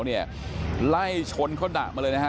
เนี่ยไล่ชนเขาดะมาเลยนะฮะ